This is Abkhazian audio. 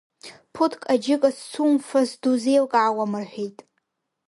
Ԥуҭк аџьыка зцумфаз дузеилкаауам рҳәеит.